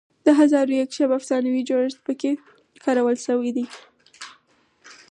د هزار و یک شب افسانوي جوړښت پکې کارول شوی دی.